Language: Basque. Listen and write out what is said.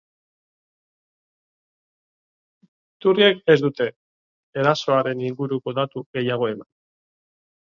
Iturriek ez dute erasoaren inguruko datu gehiago eman.